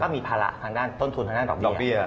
มีภาระทางด้านต้นทุนทางด้านดอกเบี้ย